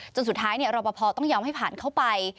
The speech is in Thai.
จนสุดท้ายเนี่ยรบพต้องยอมให้ผ่านเข้าไป